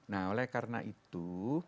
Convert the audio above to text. nah oleh karena itu